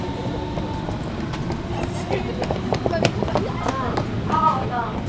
あの架川さん。